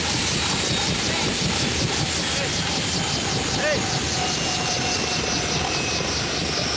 はい。